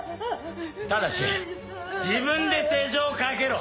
ただし自分で手錠をかけろ。